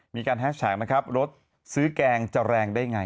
มีการแฮชแชคนะครับรถซื้อแกงจะแรงได้ไง